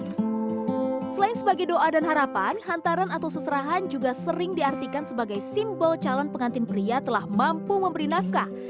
selain sebagai doa dan harapan hantaran atau seserahan juga sering diartikan sebagai simbol calon pengantin pria telah mampu memberi nafkah